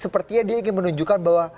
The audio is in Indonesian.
sepertinya dia ingin menunjukkan bahwa